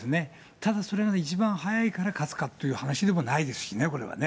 ただそれが一番早いから勝つかという話でもないですしね、これはね。